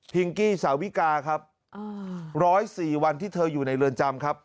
กี้สาวิกาครับ๑๐๔วันที่เธออยู่ในเรือนจำครับ